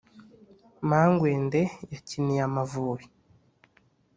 mangwende yakiniye amavubi